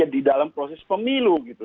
di dalam proses pemilu gitu